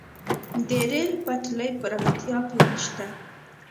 د ریل پټلۍ پراختیا پلان شته